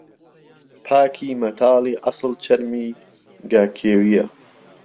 پاکی مهتاڵی عهسڵ چەرمی گاکێوييه